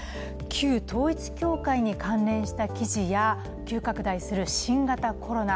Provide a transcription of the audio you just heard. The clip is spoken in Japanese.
旧統一教会に関連した記事や急拡大する新型コロナ。